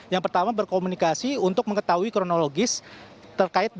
yang pertama berkomunikasi untuk mengetahui kronologis terkait dengan kemuliaan